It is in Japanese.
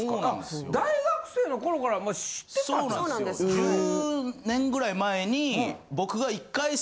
１０年ぐらい前に。